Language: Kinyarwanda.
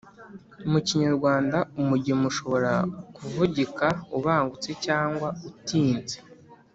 mu kinyarwanda, umugemo ushobora kuvugika ubangutse cyangwa utinze.